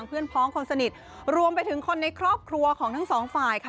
เพื่อนพ้องคนสนิทรวมไปถึงคนในครอบครัวของทั้งสองฝ่ายค่ะ